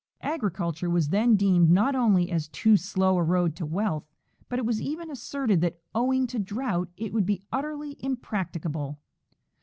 Agriculture was then deemed not only as too slow a road to wealth, but it was even asserted that owing to drought it would be utterly impracticable.